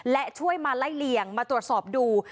และช่วยมาไล่เลี่ยงมาตรวจสอบดู